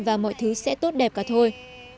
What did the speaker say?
và mọi thứ sẽ tốt đẹp cả thôi